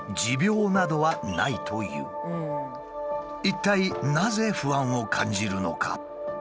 一体なぜ不安を感じるのか？